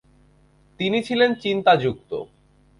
তিনি ছিলেন চিন্তাযুক্ত।